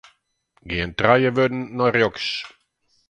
Gean trije wurden nei rjochts.